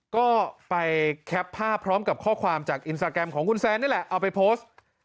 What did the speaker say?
ก็ไปแคปภาพพร้อมกับข้อความจากอินสตาแกรมของคุณแซนนี่แหละเอาไปโพสต์